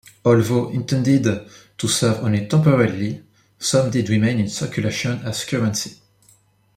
Although intended to serve only temporarily, some did remain in circulation as currency.